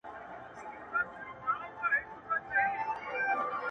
زه درته څه ووايم,